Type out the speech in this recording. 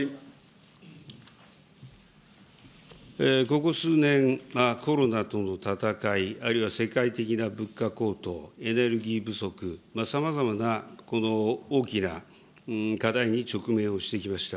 ここ数年、コロナとの戦い、あるいは世界的な物価高騰、エネルギー不足、さまざまな大きな課題に直面をしてきました。